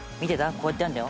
こうやってやるんだよ。